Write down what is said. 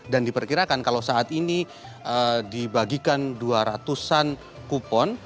dan diperkirakan kalau saat ini dibagikan dua ratus an kupon